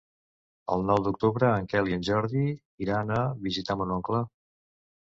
El nou d'octubre en Quel i en Jordi iran a visitar mon oncle.